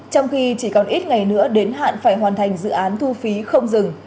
trong khi chỉ còn ít ngày nữa đến hạn phải hoàn thành dự án thu phí không dừng